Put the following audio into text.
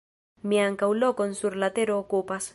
Mi ankaŭ lokon sur la tero okupas.